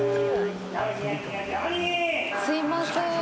すいません。